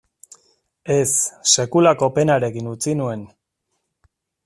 Ez, sekulako penarekin utzi nuen.